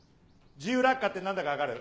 自由落下って何だか分かる？